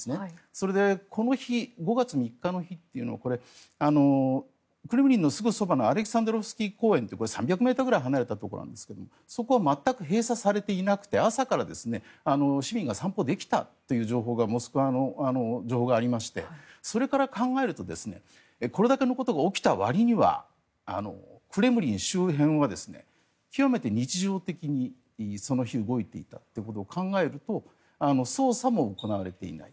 それで、この日５月３日の日というのはこれ、クレムリンのすぐそばのアレクサンドロフスキー公園という３００ｍぐらい離れたところなんですがそこは全く閉鎖されていなくて朝から市民が散歩できたという情報がモスクワの情報がありましてそれから考えるとこれだけのことが起きたわりにはクレムリン周辺は極めて日常的にその日動いていたということを考えると捜査も行われていない。